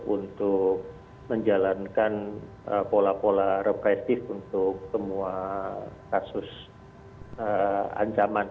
untuk menjalankan pola pola represif untuk semua kasus ancaman